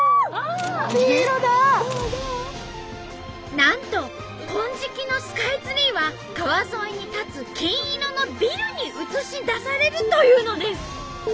なんと金色のスカイツリーは川沿いに立つ金色のビルに映し出されるというのです。